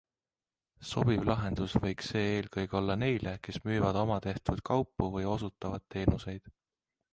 Sobiv lahendus võiks see eelkõige olla neile, kes müüvad omatehtud kaupu või osutavad teenuseid.